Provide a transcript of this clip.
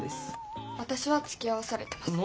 私はつきあわされてます。